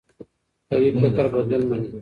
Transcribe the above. قوي فکر بدلون مني